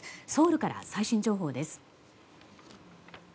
ソウルから最新情報です。